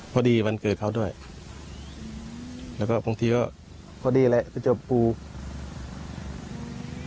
พอดีวันเกิดเขาด้วยและก็บางทีพอดีแหละจะโปร่ง